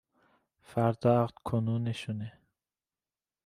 فردا عقد کنونشونه